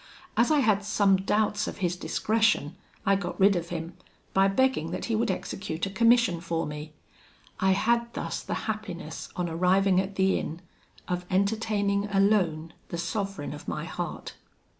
As I had some doubts of his discretion, I got rid of him, by begging that he would execute a commission for me. I had thus the happiness, on arriving at the inn, of entertaining alone the sovereign of my heart.